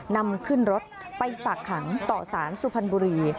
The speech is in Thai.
นำขึ้นรถไปฝากขังต่อสารสุพรรณบุรี